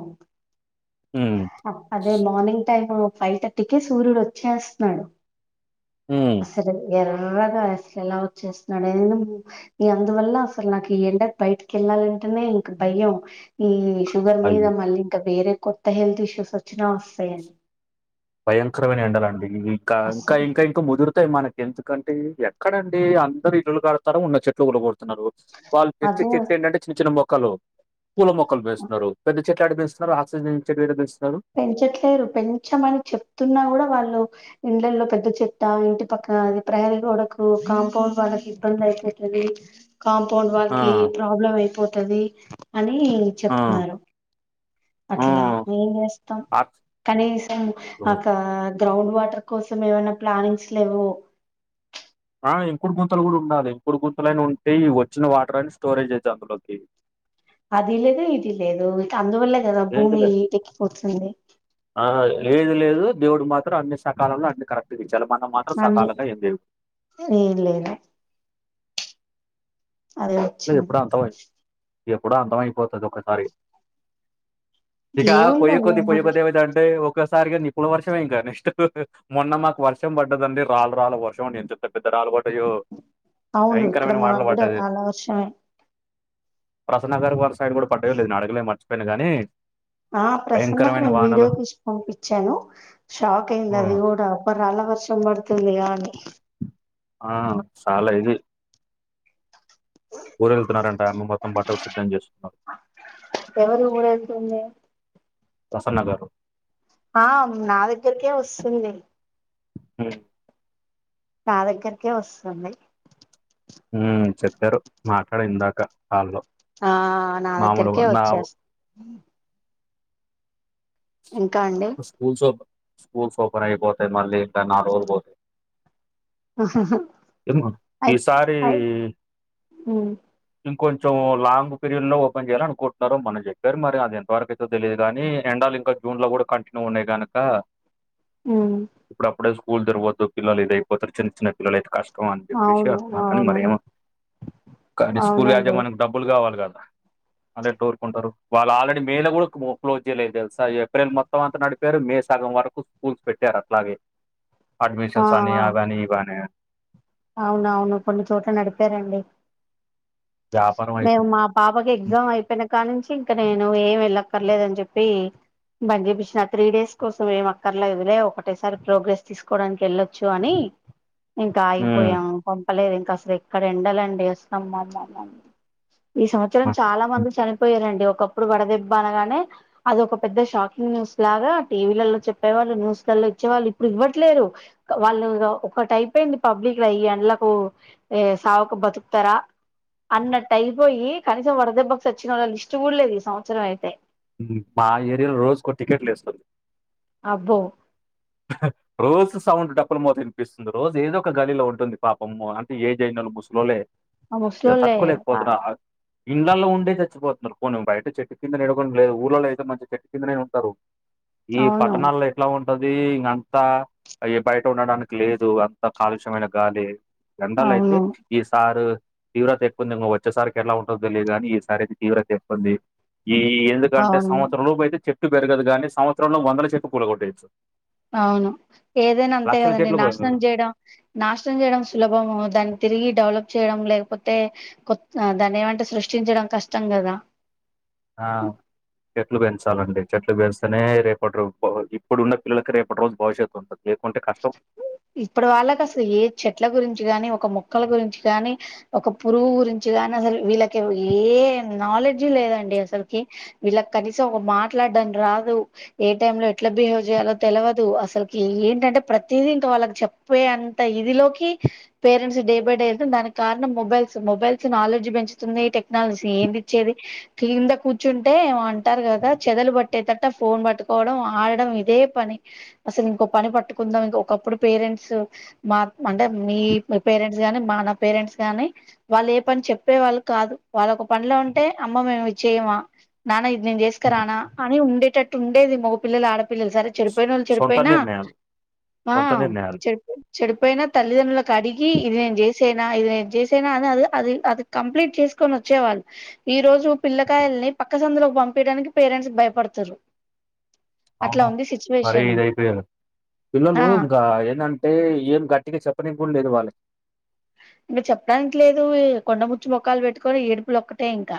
ఒకే హ్మ్. అద్ అదే మార్నింగ్ టై ఫైవ్ థర్టీ టికే సూర్యుడు ఒచ్చెస్తాడు హ్మ్ అసలు ఎర్రగా అసలు ఎలా వచ్చేస్తున్నాడు అనేది కూడ ఇగ అందువల్ల అసలు నాకు ఈ ఎండకి బయటికి ఎళ్ళాలంటేనే ఇంక భయం ఈ షుగర్ మీద అయ్యో! మళ్ళీ ఇంకా వేరే కొత్త హెల్త్ ఇష్యూస్ వచ్చినా వస్తాయ్ అని భయంకరమైన ఎండల అండి ఇవి ఇంకా ఇంకా అస్సలు ఇంకా ఇంక ముదురుతాయి మనకి ఎందుకంటే ఎక్కడండి అందరు ఇల్లులు కడతారు ఉన్న చెట్లు కూల్లగొడుతున్నారు వాళ్ళు తెచ్చే అదే చెట్లు ఏంటంటే చిన్న చిన్న మొక్కలు పూల మొక్కలు వేస్తున్నారు పెద్ద చెట్లు ఎట్లాటివి పెంచుతున్నారు ఆక్సిజన్ ఇచ్చెటివి ఎడ పెంచుతున్నారు పెంచట్లేరు పెంచమని చెప్తున్నా కూడా వాళ్ళు ఇండ్లల్లో పెద్ద చెట్టా ఇంటి పక్కన అది ప్రహరిగోడకు కాంపౌండ్ వాళ్ళకి ఇబ్బంది అయిత కాంపౌండ్ ఆ! వాళ్కి ప్రాబ్లం అయిపోతది అని ఆ! చెప్తున్నారు ఆ! అట్లా ఏం చేస్తాం ఆక్ కనీసం ఓహ్! అకా గ్రౌండ్ వాటర్ కోసం ఏమైనా ప్లానింగ్స్ లేవు ఆ ఇంకుడు గుంతలు కూడా ఉండాలి ఇంకుడు గుంతలైనా ఉంటే ఈ వచ్చిన వాటర్ అని స్టోరేజ్ అయితయ్ అందులోకి అది లేదు ఇది లేదు ఇక అందువల్లే కదా ఏది భూమి లేదు. హీట్ ఎక్కిపోతుంది ఆ లేదు లేదు దేవుడు మాత్రం అన్ని సకాలంలో అన్ని కరెక్ట్ గా ఇచ్చెయాలి మనం మాత్ మళీ ఏం లేదా అదే వచ్చింది ఎప్పుడో అంతమై ఎప్పుడో అంతమైపోతది ఒక్కసారిగా ఇక పొయ్యే ఏముందండి కొద్ది పోయ్యే ఏమని కొద్ది ఏమైతదంటే ఒకసారిగా నిప్పుల వర్షమే ఇంక నెక్ట్స్ మొన్న మాకు వర్షం పడ్డదండి రాళ్ళు రాళ్ళు వర్షం అండి ఎంత పెద్ద పెద్ద రాళ్ళు పడ్ అయ్యో అవును ఇక్కడ భయంకరమైన మాకు వానలు కూడా పడది చాలా వర్షమే ప్రసన్నగారి వారి సైడ్ గూడా పడ్డయోలేదో నేన్ అడగలే మర్చిపోయినా గాని ఆ ప్రసన్నకు నేను వీడియో తీసీ పంపించాను షాక్ అయింది అది హ్మ్. కూడా అబ్బా రాళ్ళ వర్షం పడతందిగా అని ఆ చాల ఇది ఊరెళ్తునాడంట మొత్తం బట్టలు సిద్ధం చేస్తున్నారు ఎవరు ఊరెళ్తుంది ప్రసన్నగారు ఆ నా దగ్గరికే వస్తుంది హ్మ్ నా దగ్గరకే వస్తుంది హ్మ్ చెప్పారు మాట్లాడా ఇందాకా కాలో ఆ నా దగ్గరికే వచ్చేస్త ఇంకా అండి స్కూల్స్ ఓపెన్ స్కూస్ ఓపెన్ అయిపోతాయ్ మళ్ళీ ఇంకా నాలుగు రోజలు పోతే అయి ఈ సారీ అయి ఉమ్ ఇంకొంచెం లాంగ్ పీరియడ్ లో ఓపెన్ చేయాలనుకుంటున్నారు మోన్న చెప్పారు మరి అది ఎంతవరకు అయిదో తెలియదు కాని ఎండాల్ ఇంక జూన్ లో కూడా కంటిన్యూ ఉన్నాయి కనక హ్మ్ ఇప్పుడప్పుడే స్కూల్ తెరవద్దు పిల్లలిదైపోతారు చిన్న పిల్లలయితే కష్టం అవును అవును కానీ స్కూల్ అవునండి యాజమాన్యానికి డబ్బులు కావాలి కదా కోరుకుంటారు వాళ్ళు ఆల్రెడీ మే లో కూడా క్లోజ్ చేయలేదు తెలుసా ఏప్రిల్ మొ తం అంత నడిపారు మే సగం వరకు స్కూల్స్ పెట్టారు అట్లాగే ఆ అడ్మిషన్ సాని అవనీ ఇవనే అవునవును కొన్ని చోట్ల నడిపారండి వ్యాపారం మేము అయిపోయింది. మా పాపకి ఎగ్జామ్ అయిపోయిన కానుంచి ఇంక నేను ఏం ఎళ్ళక్కర్లేదని జెప్పి బంద్జేపిచ్చిన ఆ త్రీ డేస్ కోసం ఏం అక్కర్లేదులే ఒకటేసారి ప్రోగ్రెస్ తీసుకోవడానికి ఎళ్ళొచ్చు అని ఇంకా హ్మ్. ఆగిపోయాము పంపలేదు ఇంకా అసలు ఎక్కడ ఎండలండి అసల్ అమ అమ అమ ఈ సంవత్సరం చాలా హ్మ్. మంది చనిపోయారండి ఒకప్పుడు వడదెబ్బ అనగానే అదొ ఒక పెద్ద షాకింగ్ న్యూస్ లాగా టీవీలలో చెప్పేవాళ్ళు న్యూస్ లలో ఇచ్చేవాళ్ళు ఇప్పుడు ఇవ్వట్లేరు వాళ్ళు ఇగ ఒకటి అయిపోయింది పబ్లిక్ వెయ్యండ్లకు ఏ సావక బతుకుతరా అన్నట్టు అయిపోయి కనీసం వడదెబ్బకు సచ్చినోళ్ల లిస్ట్ గుడా లేదు ఈ సంవత్సరం అయితే మా ఏరియాలో రోజుకో టికెట్ లేస్తది అబ్బో రోజు సౌండ్ డప్పులు మోత వినిపిస్తుంది రోజు ఏదో ఒక గల్లీలో ఉంటుంది పాపము అంటే ఏ జయినోళు ముసులోలే ఆ ఇ ముసలోళ్ళే తట్టుకులే పోతునా ఇండ్లల్లో ఉండే సచ్చిపోతున్నారు పోని బయట చెట్టు కింద నడుకడం లేదు ఊళ్ళలో అయితే మంచి చెటు కిందనే ఉంటరు ఈ అవును పట్టణాల్లో ఎట్లా ఉంటద్ దీ ఇంగంతా అయ్ బయట ఉండడానికి లేదు అంత కాలుష్యమైన గాలి ఎండాలయితే అవును ఈ సారు తీవ్రత ఎక్కువుంది ఇం వచ్చేసారికి ఎలా ఉంటో తెలియదు గాని ఈ సారి అయితే తీవ్రత ఎక్కుంది ఈ ఎందుకంటే అవును సంవత్సరం లోపు అయితే చెట్టు పెరగదు గానీ సంవత్సరంలో వందల చెట్టు పూలగొట్టవచ్చు అవును ఏదైనా అంతే లక్షల గదండి చెట్లు కూ- నాశనం చేయడం నాశనం చేయడం సులభము దాన్ని తిరిగి డెవలప్ చేయడం లేక్పోతే కొత్ దాన్నేమంటర్ సృష్టించడం కష్టం గదా ఆ చెట్లు పెంచాలండి చెట్లు పెంచ్తేనే రేపటి రో ఇప్పుడు ఉన్న పిల్లలకి రేపటి రోజు భవిష్యత్తు ఉంటుది లేకుంటే కష్టం ఇప్పుడి వాళ్ళకి అసల్ ఏ చెట్ల గురించి గానీ ఒక మొక్కల గురించి గాని ఒక పురుగు గురించి గానీ అసలు వీళ్ళకి ఏ నాలెడ్జ్ లేదండి అసల్కి వీళ్ళక్ కనీసం ఒక మాట్లాడానికి రాదు ఏ టైమ్ లో ఎట్ల బిహేవ్ చేయాలో తెలియదు అసల్కి ఏంటంటే ప్రతిదీ ఇంకా వాళ్ళక్ చెప్పే అంత ఇదిలోకి పేరెంట్స్ డే బై డే ఎంత దానికి కారణం మొబైల్స్ మొబైల్స్ నాలెడ్జ్ పెంచుతుంది టెక్నాలజీ ఏంది ఇచ్చేది క్రింద కూర్చుంటే ఏమో అంటార్ కదా చెదలు పట్టేటట ఫోన్ పట్టుకోవడం ఆడడం ఇదే పని అసల్ ఇంకో పని పట్టుకుందాం ఇంక ఒకప్పుడు పేరెంట్స్ మా అంటే మీ పేరెంట్స్ గాని మన పేరెంట్స్ గానీ వాళ్ళు ఏ పని చెప్పే వాళ్ళు కాదు వాళ్ళొక పనిలో ఉంటే అమ్మ మేము ఇ చేయమా నాన్న నేను చేస్క ఉమ్. రానా అని ఉండేటట్టు ఉండేది మగ పిల్లలు ఆడపిల్లలు సరే సొ- చెడిపోయిన వాళ్ళు సొంత చెడిపోయినా నిర్ణయాలు ఆ సొంత నిర్ణయాలు చెడ్ చెడిపోయినా తల్లిదండ్రులకు అడిగి ఇది నేను చేసేనా ఇది నేను చేసేనా అని అది అది అది కంప్లీట్ చేస్కొన్ ఒచ్చేవాళ్ళు ఈ రోజు పిల్లకాయలని పక్క సందులోకి పంపియడానికి పేరెంట్స్ భయపడుతుర్రు అవును మరీ ఇదయిపోయిర్రు ఆ పిల్లలు ఇంకా ఏంటంటే ఏం గట్టిగా చెప్పనికి కూడా లేదు వాళ్ళకి ఇంక చెప్పడానికి లేదు కొండ ముచ్చిమొకాలు పెట్టుకొని ఏడుపులు ఒక్కటే ఇంకా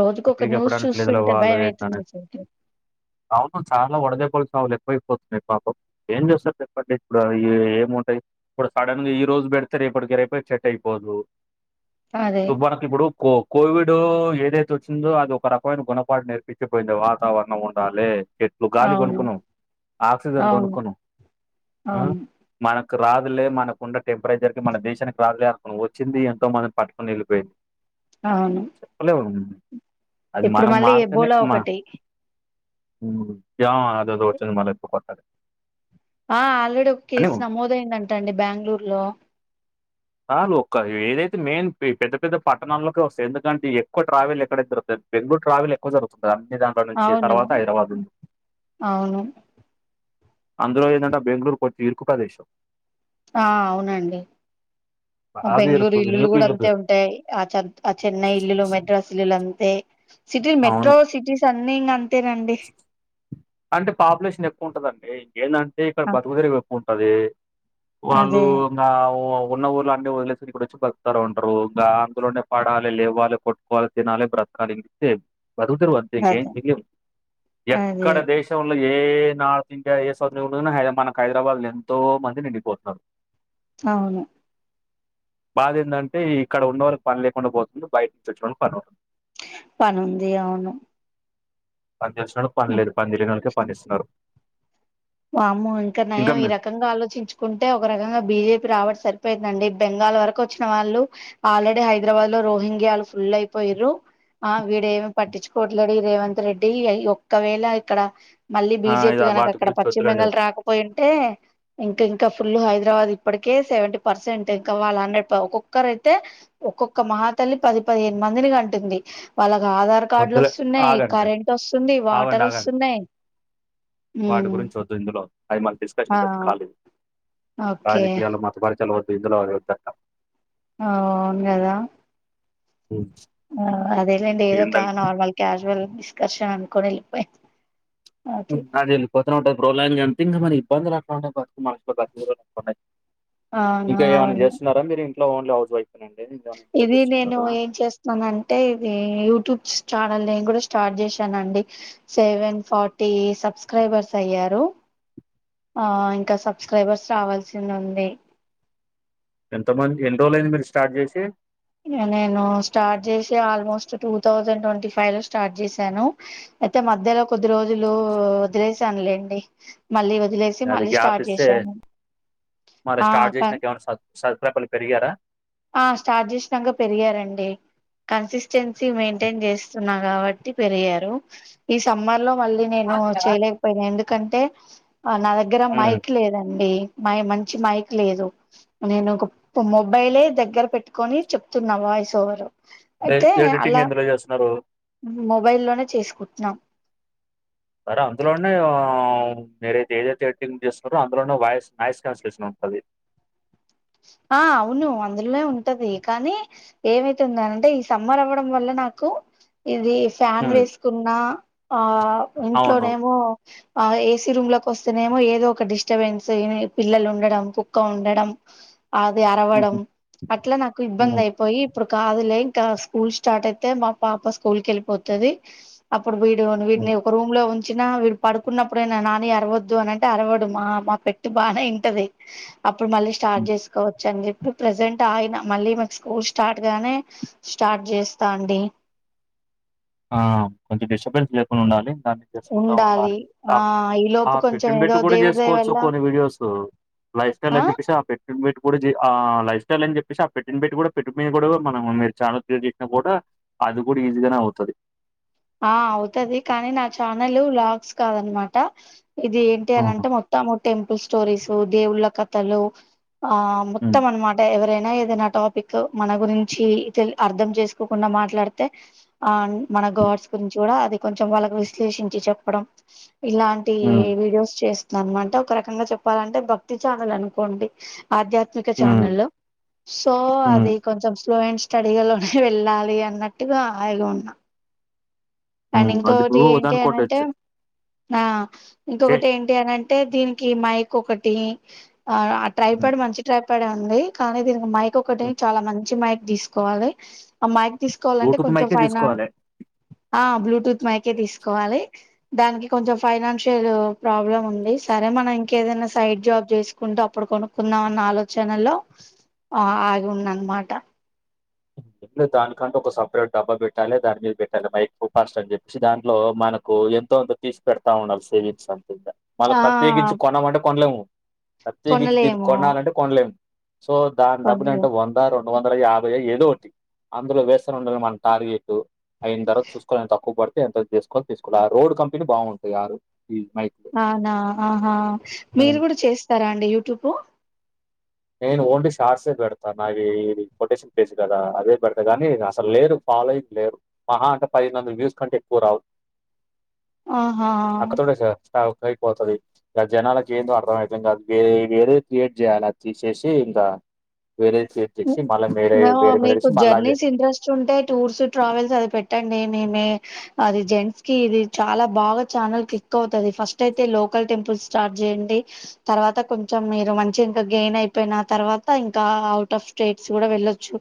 రోజుకు ఒక గట్టిగా న్యూస్ చెప్పడానికి లేదు చూస్తుంటే వాళ్ళు భయం అయితుంది ఏంటనేది అవును చాలా వడదెబ్బల చవావులు ఎక్కువ అయిపోతున్నాయి పాపం ఏం చూస్తారు చెప్పండి ఇప్పుడు ఈ ఏమంటాయి ఇప్పుడు సడన్ గా ఈ రోజు పెడితే రేపటికి రేపే సెట్ అయిపోదు అదే మనకి ఇప్పుడు కో కోవిడ్ ఏదైతే తో వచ్చిందో అది ఒక రకమైన గుణపాఠం నేర్పించిపోయింది వాతావరణం ఉండాలి ఇప్పుడు గాలి అవును కొనుకున్నావు ఆక్సిజన్ అవును కొనుకున్నాము ఆ అవును మనకు రాదులే మనకు ఉన్న టెంపరేచర్ కి మన దేశానికి రాదులే వచ్చింది ఎంతో మందినీ పట్కొని వెళ్ళిపోయింది అవును చెప్పలేము అది ఇప్పుడు మనం మళ్ళీ మారుతేనే ఎబోలా మా ఒకటి యా అదే అదే వచ్చంది మల ఇప్పు కొట్టారు ఆ ఆల్రెడీ ఒక కేసు నమోదయిందంటండి బెంగళూరు లో చాలు ఒక ఏదైతే మెయిన్ పెద్ద పెద్ద పట్టణాల్లోకే వస్తయి ఎందుకంటే ఎక్కువ ట్రావెల్ ఎక్కడ దరుతుంది బెంగళూరు ట్రావెల్ ఎక్కువ జరుగుతుంది అన్ని దాంట్లో నుంచి అవును తర్వాత హైదరాబాద్ నుంచి అవును అందులో ఏంధంటే బెంగళూరు కొంచం ఇరుకు ప్రదేశం ఆ అవునండి ఆ బాగా బెంగళూరు ఇరుకు ఇల్లులు ఇల్లుకు కూడా అంతే ఇల్లుకు. ఉంటాయి ఆ ఆ చెన్నై ఇల్లులు మెట్రోస్ ఇల్లులు అంతే సిటీలు అవును. మెట్రో సిటీ అన్ని ఇంగ అంతేనండి అంటే పాపులేషన్ ఎక్కువ ఉంటదండి ఇంకేంటంటే ఇక్కడ ఆ, బతుకదెరువు ఎక్కువ ఉంటది వాళ్ళు అదే ఇ ఉన్న ఊర్ళ అన్ని వదిలేసి ఇక్కడ వచ్చి పతారు ఉంటారు ఇంకా అందులోనే పడాలి లేవాలి కాల్ తినాలే బ్రత్కాలే ఇంతే బ్రతుకుతెరువు అంతే ఇంకేం అదే తెలియదు అదే దేశంలో ఏ నార్త్ ఇండియా ఏ సౌత్ ఉ మనకు హైదరాబాద్ లో ఎంతో మంది నిండిపోతున్నారు అవును బాధ ఏందంటే ఇక్కడ ఉన్న వాళ్ళకి పని లేకుండా పోతుంది బయట నుంచి వచ్చె వాళ్ళకి పని ఉంటుంది పనుంది అవును పనిచేసినోడికి పని లేదు పనిచేయని వాళ్ళకి పని ఇస్తున్నారు వామ్మో ఇంకా నయం ఈ రకంగా రకంగా ఆలోచించుకుంటే ఒక రకంగా బిజేపి రాబట్టి సరిపోయిందండి బెంగాల్ వరకు వచ్చిన వాళ్ళు ఆల్రెడీ హైదరాబాద్ లో రోహింగ్యాలు వాళ్లు ఫుల్ అయిపోయారు ఆ వీడేమి పట్టించుకోట్లేడు ఈడ రేవంత్ రెడ్డి ఒక్కవేళ ఇక్కడ మళ్ళీ ఆ బిజెపి ఇది గనక వాటి అక్కడ గురించి పశ్చిమ వద్దులేండి. బెంగాల్ రాకపోయింటే ఇంకా ఇంకా ఫుల్ హైదరాబాద్ ఇప్పటికే సెవెంటీ పర్సెంట్ ఇంకా వాళ్ళ హండ్రెడ్ ఒక్కొక్కరేతే ఒక్కొక్క మహ తల్లి పది పదిహేను మందిని కంటుంది వాళ్ళకి ఆధార్ కార్డులు వద్దులే వస్తున్నాయి ఆగండి. కరెంట్ వస్తుంది ఆగండి వాటర్ ఆగండి వస్తున్నాయి వాటి గురించి వద్దు ఇందులో అవి మన ఆ కాల్ ఓకే రాజకీయాలు మతపరచాల వద్దు ఇందులో అవి వద్దు ఆ అవును కదా ఉ ఆ అదేలేండి ఏదో ఒక నార్మల్ క్యాజువల్ డిస్కర్షన్ అనుకొని వెళ్ళిపోయిన అదేళ్ళిపోతూ ఉంటాది ప్రొలాంగ్ అంతే ఇంగ మరి ఇబ్బంది అట్లా ఉంటాయి [inaudible] అవును ఇంకా ఏమైన్నా అవును చేస్తున్నారా మీరు ఇంట్లో ఓన్లీ హౌస్ వైఫ్ అండి ఇంకేమైనా ఇంట్లో ఇది నేను చేస్తుంటారా ఏం చేస్తా మన అంటే ఇది యూట్యూబ్ ఛానల్ నేను కూడా స్టార్ట్ చేశానండి సెవెన్ ఫార్టీ సబ్స్క్రైబర్స్ అయ్యారు ఆ ఇంకా సబ్స్క్రైబర్స్ రావాల్సి ఉంది ఎంత మంది ఎన్ని రోజులుయింది మీరు స్టార్ట్ చేసి నేను స్టార్ట్ చేసి almost two thousand twenty five లో స్టార్ట్ చేశాను అయితే మధ్యలో కొద్ది రోజులు వదిలేసానులేండి మళ్ళీ వదిలే అది గ్యాప్ ఇస్తే మరి ఆ స్టార్ట్ క- చేసినాక ఏమైనా సత్క్రైబర్లు పెరిగారా ఆ స్టార్ట్ చేసినాక పెరిగారండి కన్సిస్టెన్సీ మెయింటైన్ చేస్తున్నాను కాబట్టి పెరిగారు ఈ సమ్మర్ లో మళ్ళీ నేను చేయలే పోయినా ఎందుకంటే నా దగ్గర ఉమ్. మైక్ లేదండి మై మంచి మైక్ లేదు నేను ఒక మొబైలే దగ్గర పెట్టుకొని చెప్తున్నా వాయిస్ ఓవరు ఎ ఎడిటింగ్ ఎందులో చేస్తున్నారు మొబైలోనే చేసుకుంటున్నాం సరే అందులోనే మీరైతే ఏదైతే ఎడిటింగ్ చేస్తున్నారో అందులోనే వాయిస్ నాయిస్ కాన్సిలేషన్ ఉంటది ఆ అవును అందులోనే ఉంటది కానీ ఏమైతుంద అనింటే ఈ సమ్మర్ అవ్వడం వల్ల నాకు ఇది ఫ్యాన్ ఉమ్. వేసుకున్న ఆ అవును. ఇంట్లోనేమో ఆ ఏసీ రూమ్ లోకి వస్తేనేమో ఏదో ఒక డిస్టబెన్స్ పిల్లలు ఉండడం కుక్క ఉండడం అది అరవడం హుహు. అట్లా నాకు ఇబ్బంది హ్మ్. అయి పోయి ఇప్పుడు కాదులే ఇంకా స్కూల్ స్టార్ట్ అయితే మా పాప స్కూల్ కి వెళ్ళిపోతది అప్పుడు వీడు హ్మ్. వీడిని ఒక రూమ్ లో ఉంచిన విడ్ పడుకున్నప్పుడైనా నాని అరవద్దు అని అంటే అరవడు మా మా పెట్ట్ బానే ఇంటది అప్పుడు మళ్ళీ హ్మ్. చార్జెసుకోవచ్చ అన్చెప్పి ఇప్పుడు ప్రజెంట్ ఆయిన మళ్ళీ మా స్కూల్ స్టార్ట్ గానే స్టార్ట్ చేస్తా అండి ఆ కొంచెం డిస్టబెన్స్ లేకుండా ఉండాలి దాన్ని చేసుకుంటా ఉండాలి ఆ ఈ ఆ లోపు కొంచెం బిట్టిన ఏదో బిట్టి కూడా దేవుడి దయ చేసుకోవచ్చు వల్ల కొన్ని వీడియోస్ లైఫస్టైల్ అని చెప్పేసి ఆ పెట్టిన పెట్టి కూడా ఆ లైఫ్ స్టైల్ అని చెప్పేసి ఆ పెట్టిన పెట్టి కూడా పెట్టి మీద కూడా మనం మీరు చాలాసిన కూడా అది కూడా ఈజీగానే అవుతది ఆ అవుతది కానీ నా ఛానల్ బ్లాగ్స్ కాదన్నమాట ఇది ఏంటి అని ఆహా! అంటే మొత్తం తము టెంపుల్ స్టోరీస్ దేవుళ్ళ కథలు ఆ హ్మ్. మొత్తంమనమాట ఎవరైనా ఏదైన టాపిక్ మన గురించి అర్థం చేసుకోకుండా మాట్లాడితే ఆ మన హ్మ్. గాడ్స్ గురించి అది కొంచం వాళ్ళకి విశ్లేషించి చెప్పడం ఇలాంటి హ్మ్. విడియోస్ చేస్ ననమాట ఒక రకంగా చెప్పాలంటే భక్తి చానల్ అనుకోండి ఆధ్యాత్మిక హ్మ్. ఛానల్ల్లో సో హ్మ్. అది కొంచెం స్లో అండ్ స్ డిగలోనే వెళ్ళాలి అన్నట్టుగా హాయిగా ఉన్నా అండ్ హ్మ్. అది ఇంకొకటి నువ్వు ఏంటి దానికోటి అనంటే చే ఆ చెయ్. ఇంకొకటి ఏంటి ఏంటి అంటే దీనికి మైక్ ఒకటి హ్మ్. ట్రైపేడు మంచి ట్రై పేడుంది కానీ దీనికి మైక్ ఒకటి హ్మ్. చాలా మంచి మైక్ తీసుకోవాలి ఆ మయ్క తీసుకోవాలంటే బ్లూటూత్ కొంచెం మైకే ఫైన దీసుకోవాలె. ఆ బ్లూటూత్ మయ్కే తీసుకోవాలి దానికి కొంచెం ఫైనాన్షియల్ ప్రాబ్లమ్ ఉంది సరే మనం ఇంకేదైనా సైడ్ జాబ్ చేసు కుంటూ అప్పుడు కొనుక్కుందాం అన్న ఆలోచనలో ఆ ఆగి ఉన్న అనమాట లె దానికంటే ఒక సపరేట్ డబ్బా పెట్టాలె దాని మీద్ పెట్టాలె మైక్ ఫస్ట్ అని చెప్పి దాంట్లో మనకు ఎన్ ఎంతో అంత తీస్ పెడతా ఉండాల్ సేవింగ్న్స్ అంతుంద మళ్ళ ఆ ప్రత్యేకించి కొనమంటే కొనలేము ప్రత్యేకించి దీన్ని కొనలేము కొనాలంటే కొనలేము సో దాన్ డబ్బుల్ కొనలేము అంటే వంద రెండు వందల యాభై ఏదో ఒకటి అందులో వేస్తను ఉండాలి మన టార్గెటూ అయిన్ దర్వా చూసుకొనింత తక్కువ పడితే ఎంత చేసుకోని తీసుకోవాలి ఆ రోడ్ కంపెనీ బాగుంటాయియారు ఈజ్ మై అనా ఆహా మీరు కూడు చేస్తారా అండి యూట్యూబ్ నేను ఓన్లీ షార్ట్సే పెడతాన్ నావీ ఇది కొటేషన్ పేజ్ కదా అదే పెడతా కానీ అసల్ లేరు ఫాలోయింగ్ లేరు మహా అంటే పదిను వల వ్యూస్ కంటే ఎక్కువ రావ్ ఆహా అక్క తోడస తవ్ కై పోతది గ జనాలక్ ఏందో అర్థమయ్ అర్ధంగాద్ వే వేరే క్రియేట్ జేయాల తీసేసి ఇంకా వేరే చేప్పి సి మళ్ళా మీరే వేరే మీరేసి మళ్ళదే చుంటే టూర్స్ ట్రావెల్స్ అది పెట్టండి నే మే అది జెంట్స్ కి ఇది చాలా బాగా ఛానల్ క్లిక్ అవుతుది ఫస్ట్ అయితే లోకల్ టెంపుల్ స్టార్ట్ చేయండి తర్వాత కొంచెం మీరు మంచిగింకా గెయిన్ అయిపోయిన తర్వాత ఇంకా అవుటఫ్ స్టేట్స్ కూడా వెళ్ళొచ్చు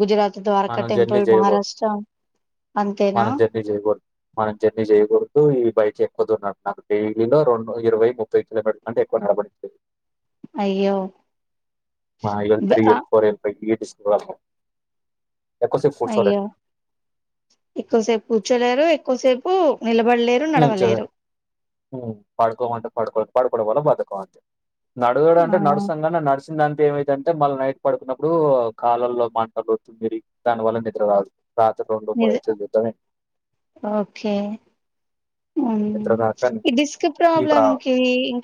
గుజరాత్ ద్వారకా మనం జర్నీ టెంపుల్ చేయకూడదు. మహారాష్ట్ర అంతేనా ఇ జేయ్ గుడ్ మనం జర్నీ చేయకూడదు ఈ బైక్ ఎక్కువ ద ఉన్నట్టు నాకు డైలీలో రెండు ఇరవై ముప్పై కిలోమీట్ అంట్ ఎక్కువ నడపన్ తె అయ్యో మా ఎల్ బ త్రీ ఆ L four L five D A డీస్ క్వాల్వ్ అయ్యా ఎక్కువసేపు కూర్చోలేరు ఎక్కువసేపు నిలబడలేర్ నుంచే ఉం పడుకోమంటే పడుకో పడుకోవడం వల్ల బద్దకం అంతే నడుగుడు ఆ అంటే నడుసంగానే నడుస్ దంతే ఏమైత్ అంటే మళ్ళ నైట్ పడుకున్నప్పుడు కాలల్లో మంట ఒచ్చిందయ్ దాని వల్ల నిద్ర రాదు రాత్ర రెండు నిజ మూడైతు ఇట్లనే ఓకే ఉమ్ నిద్ర రాక ఈ డిస్క్ ఈ ప్రా ప్రాబ్లమ్ కీ ఇంక్